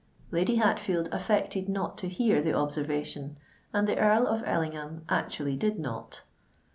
Lady Hatfield affected not to hear the observation; and the Earl of Ellingham actually did not.